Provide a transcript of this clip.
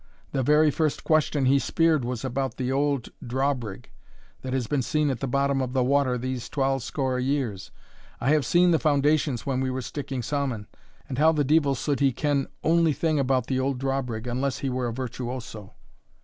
The very first question he speered was about the auld drawbrig that has been at the bottom of the water these twal score years I have seen the fundations when we were sticking saumon And how the deevil suld he ken ony thing about the old drawbrig, unless he were a virtuoso?"